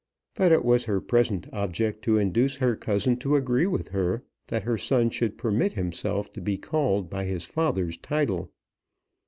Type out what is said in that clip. But it was her present object to induce her cousin to agree with her, that her son should permit himself to be called by his father's title.